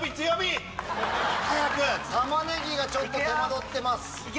タマネギがちょっと手間取ってます。